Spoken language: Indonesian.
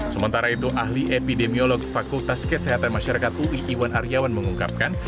sementara itu ahli epidemiolog fakultas kesehatan masyarakat ui iwan aryawan mengungkapkan